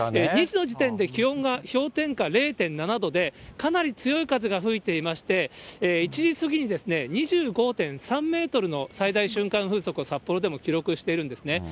２時の時点で気温が氷点下０．７度で、かなり強い風が吹いていまして、１時過ぎに２５．３メートルの最大瞬間風速を、札幌でも記録しているんですね。